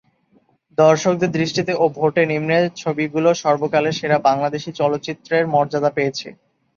দর্শকদের দৃষ্টিতে ও ভোটে নিম্নের ছবিগুলো সর্বকালের সেরা বাংলাদেশী চলচ্চিত্রের মর্যাদা পেয়েছে।